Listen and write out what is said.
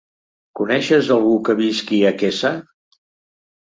Coneixes algú que visqui a Quesa?